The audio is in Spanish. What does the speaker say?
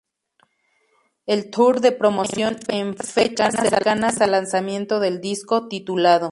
El tour de promoción en fechas cercanas al lanzamiento del disco, titulado.